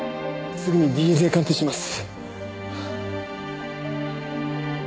すぐにＤＮＡ鑑定します。